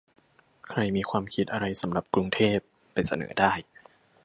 ใครมีความคิดอะไรสำหรับกรุงเทพ ไปเสนอได้